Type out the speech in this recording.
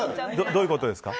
どういうことですか？